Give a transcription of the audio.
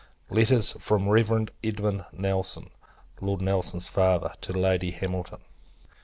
Letters FROM THE REV. EDMUND NELSON (Lord Nelson's Father) TO LADY HAMILTON.